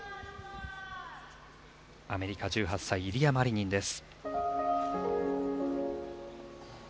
アメリカ、１８歳イリア・マリニンです。